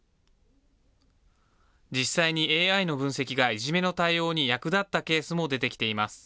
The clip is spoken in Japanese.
実際にＡＩの分析がいじめの対応に役立ったケースも出てきています。